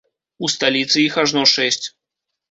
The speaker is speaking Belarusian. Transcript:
У сталіцы іх ажно шэсць.